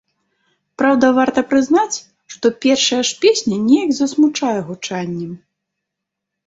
Праўда, варта прызнаць, што першая ж песня неяк засмучае гучаннем.